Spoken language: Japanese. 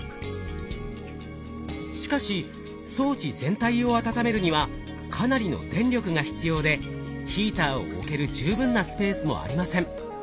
しかし装置全体を温めるにはかなりの電力が必要でヒーターを置ける十分なスペースもありません。